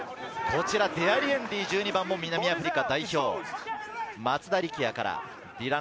デアリエンディ・１２番も南アフリカ代表です。